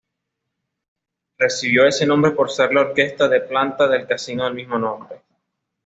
Recibió ese nombre por ser la orquesta de planta del casino del mismo nombre.